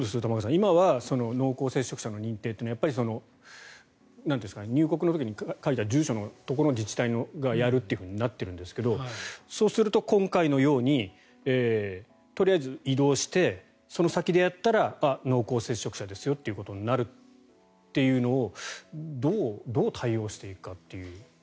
今は濃厚接触者の認定というのは入国の時に書いた住所のところの自治体がやるとなっているんですがそうすると今回のようにとりあえず移動してその先でやったら濃厚接触者ですよということになるというのをどう対応していくかという。